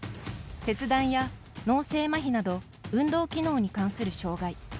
切断や脳性まひなど運動機能に関する障がい。